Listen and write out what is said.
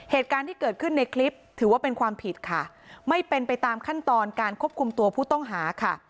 เหตุการณ์ที่เกิดขึ้นในคลิปถือว่าเป็นความผิดค่ะไม่เป็นไปตามขั้นตอนการควบคุมตัวผู้ต้องหาค่ะ